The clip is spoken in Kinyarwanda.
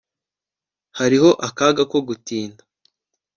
hariho akaga ko gutinda